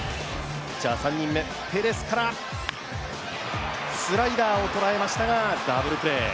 ピッチャー３人目、ペレスからスライダーを捉えましたがダブルプレー。